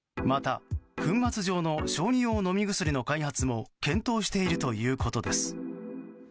また、粉末状の小児用飲み薬の開発も検討しているということです。